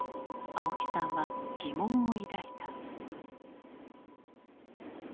青木さんは疑問を抱いた。